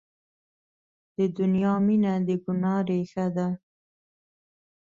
د دنیا مینه د ګناه ریښه ده.